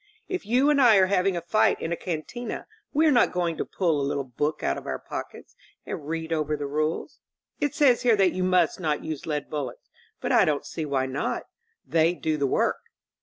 If you and I are having a fight in a cantma we are not going to pull a little book out of our pockets and read over the rules. It says here that you must not use lead bullets; but I don't see why not. They do the work."